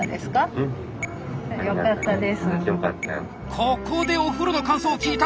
ここでお風呂の感想を聞いた！